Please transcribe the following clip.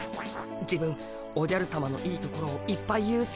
自分おじゃるさまのいいところをいっぱい言うっす。